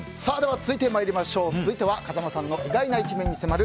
続いては風間さんの意外な一面に迫る